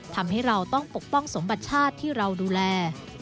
ทำให้เราต้องปกป้องสมบัติชาติที่เราดูแล